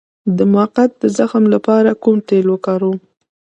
د مقعد د زخم لپاره کوم تېل وکاروم؟